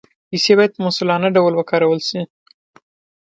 پیسې باید په مسؤلانه ډول وکارول شي.